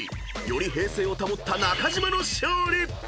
［より平静を保った中島の勝利］